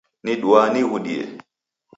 Niduaa nighudie.